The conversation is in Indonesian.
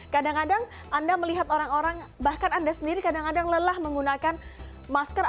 kadang kadang anda melihat orang orang bahkan anda sendiri kadang kadang lelah menggunakan masker